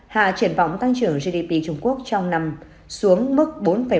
hạ triển vọng tăng trưởng gdp trung quốc trong năm xuống mức bốn bảy